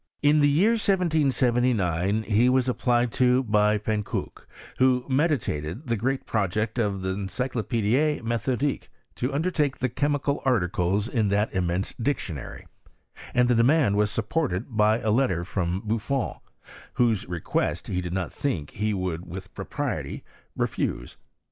In the year 1779 he was applied to by Pankouke, who meditated the great project of the Encyclopidie Methodique, to undertake the chemical articles in that immense dictionary, and the demand was sup ported by a letter from Buffon, whose request he did not think that he could with propriety refuse.